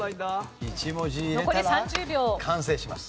１文字入れたら完成します。